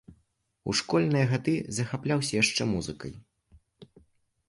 У школьныя гады захапляўся яшчэ музыкай.